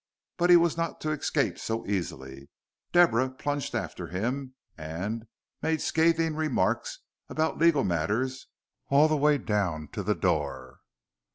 But he was not to escape so easily. Deborah plunged after him and made scathing remarks about legal manners all the way down to the door.